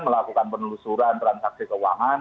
melakukan penelusuran transaksi keuangan